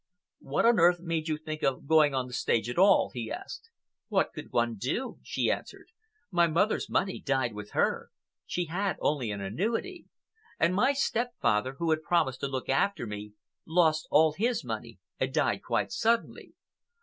"What on earth made you think of going on the stage at all?" he asked. "What could one do?" she answered. "My mother's money died with her—she had only an annuity—and my stepfather, who had promised to look after me, lost all his money and died quite suddenly.